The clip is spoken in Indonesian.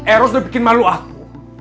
eros udah bikin malu aku